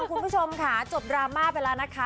คุณผู้ชมค่ะจบดราม่าไปแล้วนะคะ